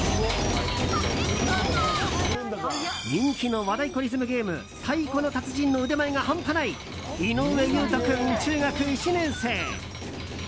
人気の和太鼓リズムゲーム「太鼓の達人」の腕前が半端ない井上勇翔君、中学１年生。